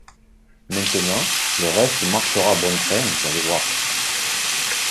Maintenant, le reste marchera bon train, vous allez voir…